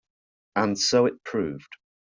And so it proved.